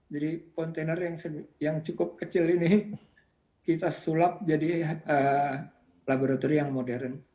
jadi kontainer yang cukup kecil ini kita sulap jadi laboratorium yang modern